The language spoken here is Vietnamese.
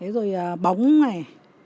rồi bóng này